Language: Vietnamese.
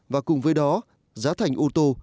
và cùng với đó giá thành ô tô